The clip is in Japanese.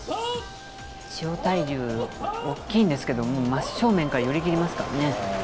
千代大龍、大きいんですけれども、真っ正面から寄り切りますからね。